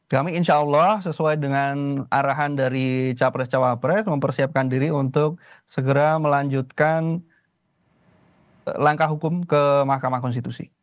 kami insya allah sesuai dengan arahan dari capres cawapres mempersiapkan diri untuk segera melanjutkan langkah hukum ke mahkamah konstitusi